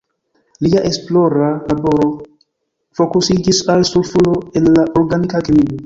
Lia esplora laboro fokusiĝis al sulfuro en la organika kemio.